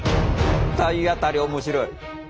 体当たり面白い。